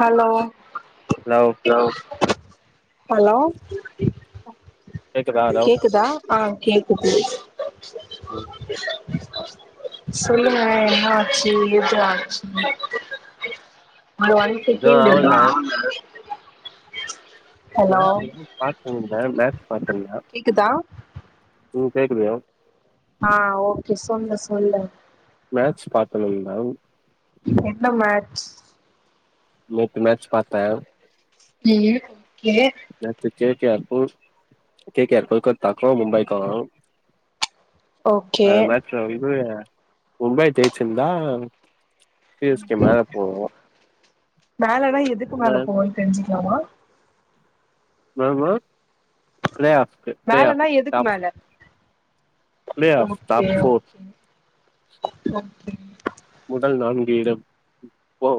Hello hello hello கேக்குதா hello கேக்குதா ஆ கேக்குது ம் சொல்லுங்க என்ன ஆச்சு எது ஆச்சு ஒரு ஒன் எதுவு செகண்ட்டு ஆவல [unintelligible] மேக்ஸ் எல்லும் பாத்திங்ளே மேக்ஸ் பாத்தன்னா கேக்குதா ம் கேக்குலியா ஆ ஓகே சொல்லு சொல்லு மேட்ச் பார்த்ததுண்டா என்ன மேட்ச் நேத்து மேட்ச் பாத்தே ம் ம் கே நேத்து கே கே ஆர் கும் கே கே ஆர் கொல்கத்தாக்கு மும்பைக்கு ஓகே அ மேட்ச்ல வந்து மும்பை ஜெய்ச்சிந்தா ம் மேலனா எதுக்கு மேல போவன் தெரிஞ்சிக்லாமா மாமா லேயா மேலனா எதுக்கு மேல play off okay top four okay முடல் நான்கு இடம் போ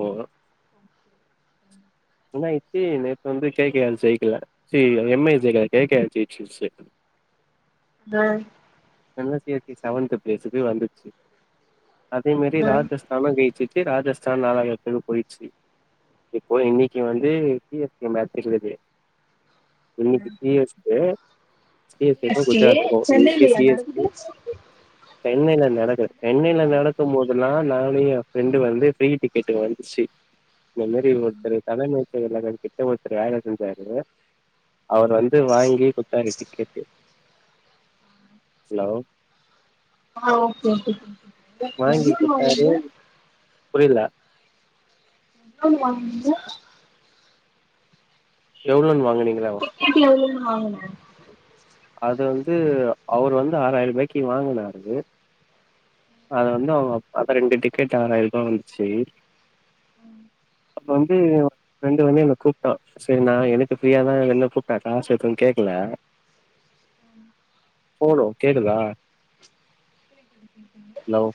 என்னாய்ச்சி நேத்து வந்து கே கே ஆர் ஜெயிக்கில சி எம் ஐ ஜெயிக்கல கே கே ஆர் ஜெயிசிச்சு ஆ நல்ல சி எஸ் கே செவன்த்து பிளேஸுகு வந்துச்சு அதே மாரி ஆ ராஜஸ் தானா ஜெயிச்சிட்டு ராஜஸ்தான் நாலாவது எட்த்துக்கு போயிட்ச்சி இப்போ இன்னைக் கே வந்து சி எஸ் கே மேட்ச் இருந்தது இன்னைக்கு C S K C S கேகு கே குஜராத்துகு இன்னைக்கே சென்னைலயா சி எஸ் கே நடக்குது சென்னைல நடக்கற சென்னைல நடக்கும் போதுல்லா நானு எ ஃப்ரெண்டு வந்து ஃப்ரீ டிக்கெட்டு வந்துசி இந்த மேரி ஒருத்தரு தலைமை செயலாளர் கிட்ட ஒருத்தரு வேல செஞ்சாரு அவுர் வந்து வாங்கி குத்தாரு டிக்கெட்டு ஹலோ ஆ ஓகே ஓகே வாங்கி எவ்ளோன்னு வாங்குனீங்க குடுத்தாரு எவ்ளோன்னு புரியல ஆ வாங்க எவ்ளோன் வாங்குனீங்களேவா இட்டு எவ்ளோன் வாங்கனே அது வந்து அவுர் வந்து ஆறாயிரபாய்க்கி வாங்கனாரு அது வந்து அவுங்கப் அத ரெண்டு டிக்கெட் ஆறாயிரபா வந்துச்சி உம் அப்ப வந்து ஃபிரண்ட்டு வந்து என்ன கூப்டா சேரி நா எனக்கு ஃப்ரீயாதா என்ன கூப்டா காசு எதுன் கேக்ல போனு கேக்குதா லவ்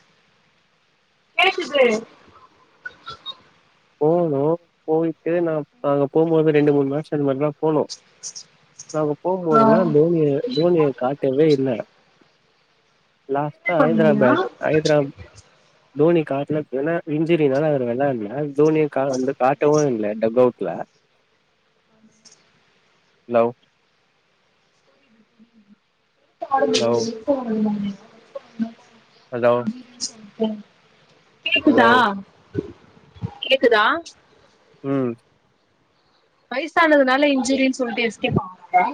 [inaudible] போனோ போயிட்டு நாப் அங்க போம்போது ரெண்டு மூன் வர்ஷோ இது மேர்தாம் போனோ நாங்கப் போம்போதல்லா டோனிய ஆ தோனிய காட்டவே இல்ல பே லாஸ்ட்டா பண்ணீங்களா ஹதராபேட் ஹதராப் டோனிக் காட்லப் எனா இஞ்சிரினால அவர் வெளாள்ல தோனிய கா அந்து காட்டவு இல்ல டக்கவுட்ல ஹலோ எப்போ ஹலோ ஆரம்மிக்குராங்க எப்போ ஆரம்பிப்பாங்க அதா ஓகேங்க ஹலோ கேக்குதா கேக்குதா ம் வைசானதுனால இன்ஜூரீன் சொல்ட்டு எஸ்கேப் ஆகுறாங்க.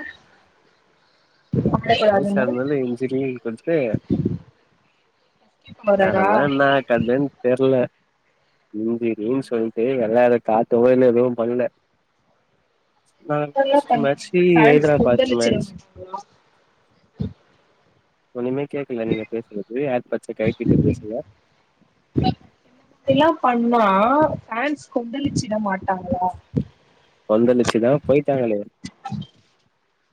வயசானதனால இஞ்சூரின்னு சொல்லிட்டு எஸ்கேப் ஆவாரா அதெலா என கதென் தெர்ல இந்தி ரீல் சொல்லிட்டு எல்லாரை காத்தவே இல்ல எதுவு பண்ணல நான் இதெல்லா பண்ண லாஸ்ட் மேச்சி, ஹைதராபாத் மேட்ச் எல்லா ஒன்னுமே கேக்கல நீங்க பேசுறது ஏர்பட்ஸை கழட்டிட்டு பேசுங்க தெல்லாம் பண்னா ஃபேன்ஸ் கொந்தளிச்சிற மாட்டாங்களா கொந்தலிச்சுதா போயிட்டாங்கலே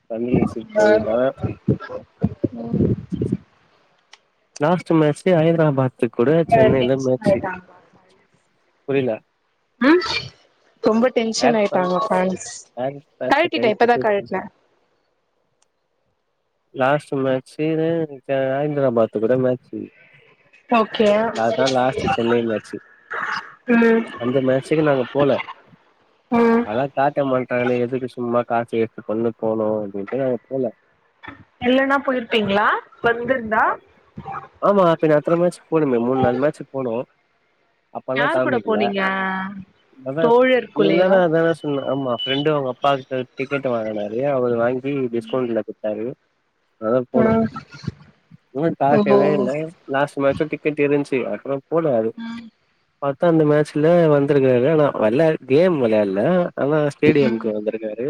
கொந்தலிச்சு போயிதா ம் லாஸ்ட் மேட்சு ஹைதராபாத்துகுட ஆ சென்னைல டென்ஷன் மேட்ச்சு ஆயிட்டாங்களா புரியில ம் ரொம்ப டென்ஷனா ஏர் ஆகிட்டாங்க பட்ஸ் ஃபான்ஸ் ஏர் பட்ஸ கழட்டிட்டே இப்பதா கழட்டிட்டு கழட்டுனே லாஸ்டு மேட்சு னு த ஹைதிராபாத் அது கூட லாச் ஓகே லாஸ்ட் சென்னை மேட்சு ம் அந்த மேட்சுக்கு நாங்க போல ம் அதா காட்ட மாட்டாங்கன்னு எதுக்கு சும்மா காஸ் வேஸ்ட் பண்ணுட் போணும் அப்டின் நாங்க போல்ல. இல்லனா போயிருப்பீங்களா வந்திருந்தா ஆமா, பின்னே அத்தன மேட்சுக்கு போனமே, மூணு நாலு மேட்சுக்கு போனோ பண யார் கூட காமிக்கல போனீங்க அத தோழர் இவ்ளோ கூலயா நேரோ அதானே சொன்னே ஆமா ஃப்ரெண்டு அவுங்க அப்பாகிட்ட டிக்கெட்ட வாங்கனாரு அவரு வாங்கி டிஸ்கவுண்ட்ல குடுத்தாரு அதா போனு ம் இன்வேட் ஓ காட் லாஸ்ட் மேட்சுயு கிரிக்கெட் இருந்துச்சு அதுக்கு நா போல ம் பத்தா இந்த மேட்சல வந்திருக்காக ஆனா வர்ல கேம் விளையாட்ல அதா ம் ஸ்டேடியமுக்கு வந்திருக்காரு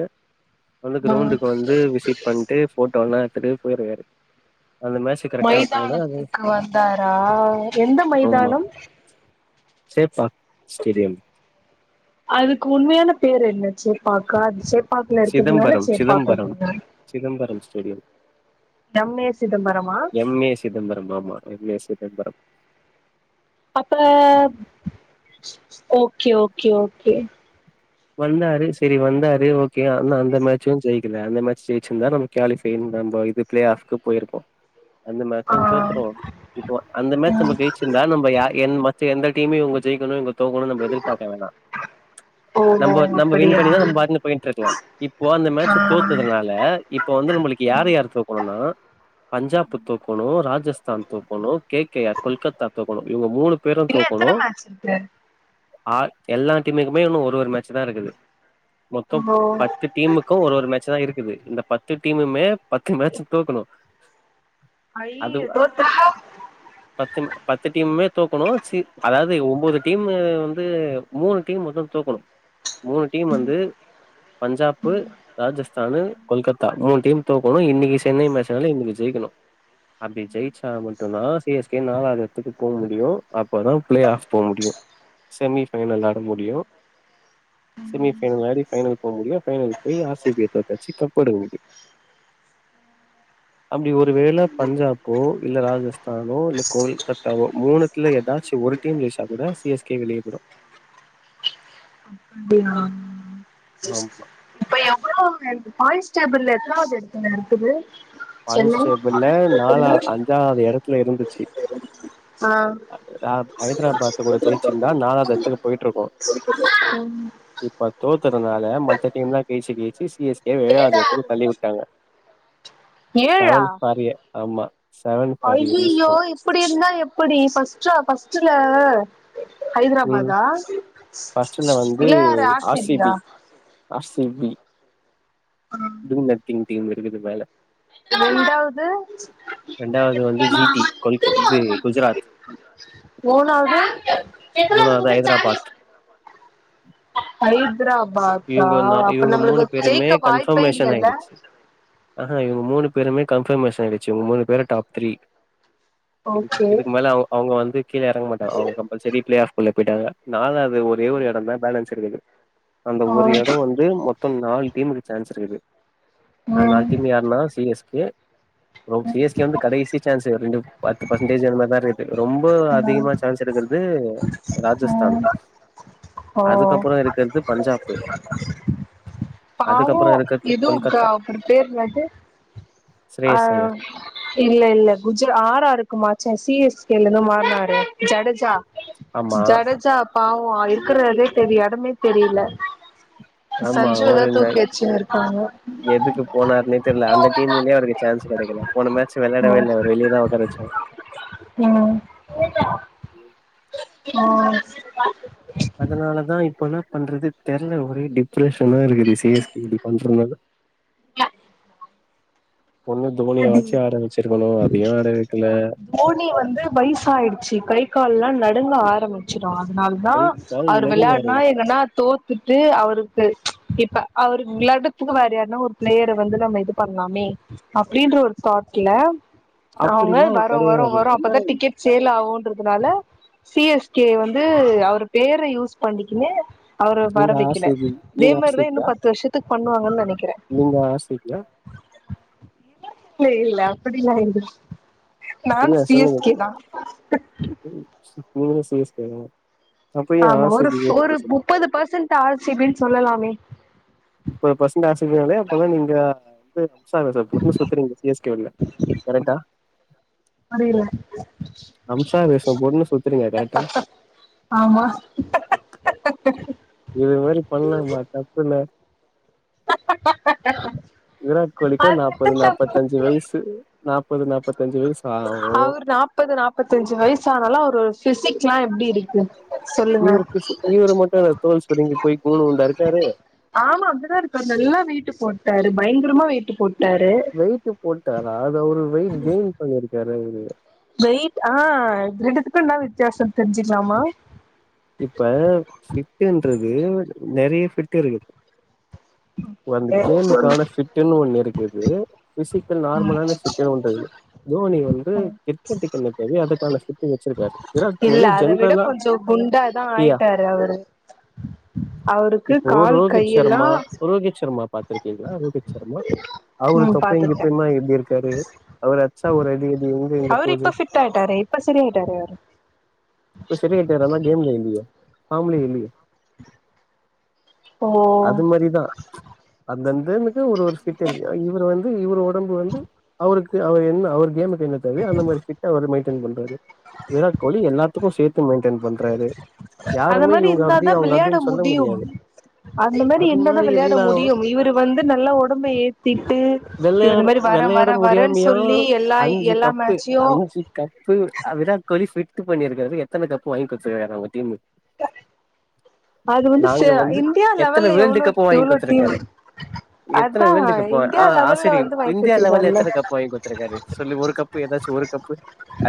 வந்து ம் கிரௌண்டுக்கு வந்து விசிட் பண்ணிட்டு போட்டோலா எடுத்துட்டு போயிருக்காரு அந்த மாரி சிகரெடா தானத்துக்கு வந்தாரா எந்த ஆமா மைதானம் சேப்பாக் ஸ்டேடியம் அதுக்கு உண்மையான பேர் என்ன சேப்பாக்கா அது சேப் பாக்குல இருக்கதுனால சிதம்பரம் சேப்பாக்கம் சிதம்பரம் வந்துட்டா சிதம்பரம் ஸ்டேடியம் எம் ஏ சிதம்பரமா எம் ஏ சிதம்பரம் ஆமா எம் ஏ சிதம்பரம் அப்ப ஓகே ஓகே ஓகே வந்தாரு சேரி வந்தாரு ஓகே ஆனா அந்த மேட்சச்சு ஜெயிக்கல அந்த மேட்ச் ஜெயிச்சிருந்தா நமக் கோலி ஃபைவ் நம்ப பிளே ஆப்க்கு போயிருக்கோ அந்த மேட்சையு ஆஹ் தோத்துருவோ இப்போ அந்த மேட்ச் நம்ம ச்சுந்தா நம்ப யா என் மத்த எந்த டீமு இவுங்க ஜெயிக்குனு இவுங்க தோக்கணு நம்ப எதிர்பார்க்க வேணா ஓ நம்ம நம்ம வின் அப்படியா பண்ணியிருந்தா நம்ம பாட்ல போயிட்டு இருக்கலா இப்போ அந்த ஆ மேட்ச் தோத்துனா இல்ல இப்ப வந்து நம்மளுக்கு யாரு யாரு தோக்கனுனா பஞ்சாபு தோக்கணு ராஜஸ்தான் தோக்கணு கே கே ஆர் கொல்கத்தா தோக்கணு இவுங்க மூணு பேரும் இன்னு எத்தன தோக்கணு மேட்ச் இருக்கு எல்லா ஆய் டீமுக்குமே இன்னும் ஒரு ஒரு மேட்ச்சு தா இருக்குது மொத்தம் ஓ பத்து டீமுக்கு ஒரு ஒரு மேட்ச் தா இருக்குது இந்த பத்து டீமுமே பத்து மேட்ச் தோக்கணு அது ஐயயோ தோத்தா பத்து ம பத்து டீமுமே தோக்கணு சி அதாவது ஒன்போது டீம் வந்து மூணு டீம் மொத்தோ தோக்கணு மூணு டீம் வந்து பஞ்சாப்பு ராஜஸ்தானு கொல்கத்தா மூணு டீம் தோக்கோணு இன்னிக்கு சென்னை மேச்னால இன்னிக்கு ஜெயிக்கணு அப்டி ஜெயிச்சா மட்டு தா சி எஸ் கே நாலாவது எடத்துக்கு போ முடியு அப்பதா பிளே ஆஃப் போ முடியு செமி ஃபைனல் ஆட முடியு செமிஃபைனல் ஆடி பைனல் போ முடியு பைனலு போய் ஆர் சி பி தோக்கடிச்சு கப்பெடுக்க முடியு [inaudible] அப்டி ஒரு வேள பஞ்சாப்போ இல்ல ராஜஸ்தானோ இல்ல கொல்கத்தாவோ மூணு இதுல ஏதாச்சு ஒரு டீம் ஜெயிச்சா கூட சி எஸ் கே வெளிய போய்டு அப்டியா சேர் ஆமா. இப்ப எவ்ளோ பாயிண்ஸ்டேபிள் எத்தனாவது எடத்துல இருக்குது பாயிண்ட்ஸ் சென்னை டேபிள்ல நாலா எடத்துல இருந்துச்சு. அ ஹைதராபாத் கூட ஜெயிச்சிருந்தா எடத்துக்கு போயிட்டுருக்கும். [unintelligible] அ ம் இப்ப தோத்ததுனால மத்த டீம்ல்லா ஜெய்ச்சு ஜெய்ச்சு சி எஸ் கே ஏழாவது எடத்துக்கு தள்ளி விட்டாங்க ஏழா செவன் ஃபார் எ ஆமா செவன் ஃபார் எ ரீசன் அப்டி இருந்தா எப்படி ஃபர்ஸ்டா ஃபர்ஸ்ட்டுல ம். ஹைதராபாத்தா ஃபர்ஸ்ட்ல வந்து இல்ல ஆர் சி ஆர்-சி-பி பியா ஆர் சி பி இதுக்கு மேர்த்திங் டீம் இருக்குது மேல ரெண்டாவுது ரெண்டாவது வந்து ஜி டி கொல்க இது [unintelligible] குஜராத் மூணாவுது மூணாவது [unintelligible] ஹைதராபாத் ஃவைவ் ஹைதராபாத்தா இவங்க நா அப்ப இவங்க நம்மளுக்கு மூணு பேருமே ஜெயிக்க வாய்ப்பே இல்லல்ல ஆ ஆ இவங் மூணு பேருமே கன்பர்மேஷன் ஆயிடுச்சு இவங் மூண பேர் டாப் த்ரீ இதுக்கு ஓகே இதுக்கு மேல அவங் அவங்க வந்து கீழே எறங்க மாட்டாங்க அவங்க கம்பல்சரி பிளே ஆஃப்குள்ள போயிட்டாங்க நாலாது ஒரு ஒரே ஒரு எடந்தா பேலன்ஸ் இருக்குது அந்த ஆ ஒரு எடோ வந்து மொத்த நாலு டீமுக்கு சான்ஸ் இருக்குது ம் அந்நால் டீம் யாருன்னா C S K bro CSK வந்து கடைசி சான்ஸு ரெண்டு பத்து பர்செண்டேஜ் அந்த மார்தா இருக்குது ரொம்ப அதிகமா சான்ஸ் எடுக்கறது ராஜஸ்தான் ம் ஓ அதுக்கப்றோ எடுக்கறது பஞ்சாப்பு பாவோ அதுக்கப்புறோ இருக்கிறது எது கா கொல்கத்தா பேர் என்னது ஆ ஸ்ரேயஸ் ஐயர் இல்ல இல்ல குஜ ஆர் ஆர்க்கு மாறுச்ச சி எஸ் கேலந்து மாறுனாரே ஜடஜா ஆமா ஜடஜா பாவோ இருக்கறதே தெரி எடமே தெரில ஆமா அவரு சஞ்சுவதா இந்த தூக்கி வெச்சினு இருக்காங்க எதுக்கு போனாருன்னே தெர்ல அந்த டீமுலே அவருக்கு சான்ஸ் கெடைக்கல போன மேட்ச் வெளாடவே இல்ல அவரு வெளியதா ஒக்கார வெச்சாங்க ம் ஓ [unintelligible] அதனாலதா இப்பன்னா பண்றது தெர்ல ஒரே டி ஃப்ரெஷராருக்குது சி எஸ் கே இப்டி பண்றனால [unintelligible] ஒண்ணு அடி தோனியவாச்சு ஆட வச்சிருக்கனு அதையு ஆட வெக்கல தோனி வந்து வய்சாய்டுச்சி கை கால்லா நடுங்க ஆரம் ச்சுடு அத்னால் தா கை கால் அவர் நடுங்க வெளாட்னா ஆரம்பிச்சு என்னன்னா தோ த்துட்டு அவருக்கு இப்ப அவரு விளாட்றத்துக்கு வேற யார்ன்னா ஒரு ப்ளேயர வந்து நம்ம இது பண்லாமே அப்டின்ற ஒரு தாட்ல அவங்க அப்டிலா வரு வரு கெடையாது வரு என்ன அப்பதா டிக்கெட் சேல் ஆகுன்றதுனால சி எஸ் கே வந்து அவுரு பேர யூஸ் பண்ணிக்கினு அவரு வர நீங்க ஆர் வெக்கல சி பி இதே நீங்க ஆர் சி மாரிதா இன்னு பத்து வருஷத்துக் பண்ணுவாங்கன் நெனக்கிறே வாசி ஏ இல்ல இல்ல அப்படில்லா இல்ல நானு இல்ல சி எஸ் சொல்லுங்க கே தா [unintelligible] நீங்களு சி எஸ் கே வா அப்ப ஏ ஆமா ஆர் சி ஒரு பி ஃப் பத்தி ஒரு பேசுறீங்க முப்பது பர்சன்ட் ஆர் சி பி ன் சொல்லலாமே முப்பது பசன்ட் ஆர் சி பி ன்னாலே அப்பதா நீங்க து [unintelligible] ஒரு பூவ சுத்துறீங்க சி எஸ் கே உள்ள கரெக்ட்டா அது இல்ல அம்சா வேஷோ போட்னு சுத்துறீங்க கரெக்டா ஆமா இது மாரி பண்லாமா தப்பில்ல விராட் கோலிக்கூ அது என்ன நாப்பது தப்பு நாப்பத்தஞ்சு வயிசு நாப்பது நாப்பத்தஞ்சு வயிசு அவுர் நாப்பது நாப்பத்தஞ்சு வய்சானாலு அவுரு ஃபிசிக்லா எப்டி இருக்கு சொல்லுங்க இவுரு ஃபிசிக் இவரு மட்டு என்ன தோல் சுருங்கிப் போய் கூன் உழ்ந்தா இருக்காரு ஆமா அப்பிடி தா இருக்காரு நல்லா வெய்ட்டு போட்டாரு பயங்கரமா வெய்ட்டு போட்டாரு வெய்ட்டு போட்டாரா அது அவுரு வெயிட் கெய்ன் பண்ணீருக்காரு அவுரு வெய்ட் ஆ ரெண்டுத்துக்கு என்ன வித்தியாசோ தெர்ஞ்சிக்லாமா இப்ப ஃபிட்டுன்றது நெறைய ஃபிட்டிருக்கு வந்து கேமுக்கான ம் ஃபிட் ட்டுன் ஒன்னுருக்குது ஃபிசிக்கல் நார்மலான ஃபிட்டுன் ஒன்ருக்குது தோனி வந்து கிரிக்கெட்டுக்கென்ன தேவையோ அதுக்கான ஃபிட்டு வச்சிருக்காரு விராட் இல்ல கோலி அத விட ஜென்ரலா கொஞ்சோ குண்டா [unintelligible] தா யா ஆய்ட்டாரு அவுரு அவுருக்கு இப்போ கால் ரோஹித் கையெல்லா சர்மா ரோஹித் சர்மா பாத்துருக்கீங்களா ரோஹித் சர்மா அவரு ம் தொப்பையு பாத்துருக்கே கிப்பையுமா எப்டி இருக்காரு அவர் அட்ச்சா ஒரு அடி இது எங்க எங்க அவரு போது இப்ப ஃபிட் ஆயிட்டாரு இப்ப சரியாயிட்டாரு அவரு இப்ப சரி ஆய்ட்டாரு ஆனா கேம் ம்ல இல்லியே ஃபாம்ல இல்லியே ஓ அது மாரிதா அந்தந்தனுக்கு ஒரு ஒரு ஃபிட் இருக்கு இவுரு வந்து இவுரு ஒடம்பு வந்து அவுருக்கு அவுர் என்ன அவுர் கேமு கு என்ன தேவையோ அந்த மாரி ஃபிட் அவரு மெய்ன்டென் பண்றாரு விராட் கோலி எல்லாத்துக்கு சேத்து மெய்ன்டென் பண்றாரு அந்த யாருமே மாரி இவுங்க அப்டி இருந்தாதா அவுங்க விளையாட அப்டின் சொல்ல முடியும் முடியாது அந்த மாரி அது இர்ந்தா தா விளாட இருந்தா முடியு இவுரு வந்து நல்லா ஒடம்ப ஏத்திட்டு இல்ல அது வெளையாட மாரி வர வெளையாட வர வரன் முடியாமையா சொல்லி எல்லா இ அஞ்சு எல்லா கப்பு மேச்யு அஞ்சு கப்பு அ விராட் கோலி ஃபிட்டு பண்ணிருக்காரு எத்தன கப்பு வாங்கி குத்துருக்காரு அவங்க டீமு அது வந்து சே நாங்க வந்து இந்தியா எத்தன லெவல்ல வேர்ல்டு எவ்ளோ கப்பு வாங்கி எவ்ளோ டீமு குடுத்துருக்காரு எத்தன அதா வேர்ல்டு கப்பு ஆ இந்தியா லெவல்ல வந்து வாய்ங் குட்த்திருக்காருல்ல த்துருக்காரு சொல்லு ஒரு கப்பு ஏதாச்சு ஒரு கப்பு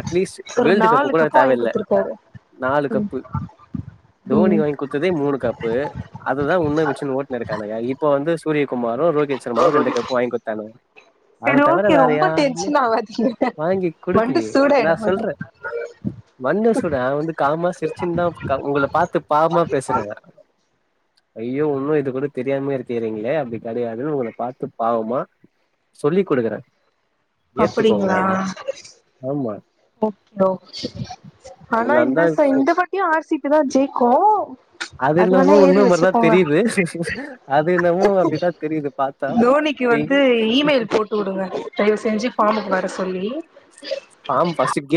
அட்லீஸ் ஒரு வேல்டு் கப்பு நாலு கூட வாங்கி தேவையில்ல குடுத்துருக்காரு நாலு கப்பு தோணி ம் வாங் குட்த்ததே மூணு கப்பு அதுதா உன்னு வெச்சின்னு ஓட்னுருக்கானுக இப்ப வந்து சூரியகுமாரு, ரோ ஹித் சர்மாவு ரெண்டு கப்பு வாய்ங் குட்த்தானுங்க சரி அவ்ர் தவுர ஓகே வேற ரொம்ப யாருமே டென்ஷன் ஆவாதீங்க வாங்கிக் வண்டி குடுக்கலயே நா சூடாயிட போது சொல்றே மன்னு சொல்ற அவ வந்து காமா சிரிச்சின் தா கா உங்கள பாத்து பாவ்மா பேசுற ஐயோ உன்னு இது கூட தெரியாமயே இருக்கியறீங்ளே அப்பிடி கெடையாதுன்னு உங்கள பாத்து பாவமா சொல்லி்க் குடுக்கற ஏத்துக்கோங்க அப்டிங்களா அத ஆமா ஓகே ஓகே ஆனா இதெல்லா இந்த தா ச விஷயோ இந்த வாட்டியு ஆர் சி பி தா ஜெய்க்கு அது என்னமோ உண்ம மாரிதா தெரிது அது என்னமோ அப்டிதா தெரிது பாத் தோனிக்கு வந்து இமெயில் போட்டு உடுங்க தயவு செஞ்சு ஃபார்முக்கு வர சொல்லி ஃபார்ம் ஃபர்ஸ்ட்டு கீர்